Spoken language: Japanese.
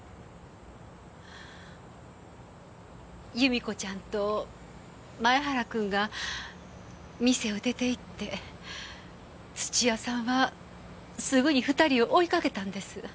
祐美子ちゃんと前原君が店を出て行って土屋さんはすぐに２人を追いかけたんです。